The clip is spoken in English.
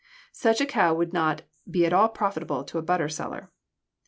Such a cow would not be at all profitable to a butter seller.